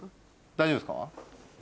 大丈夫ですか？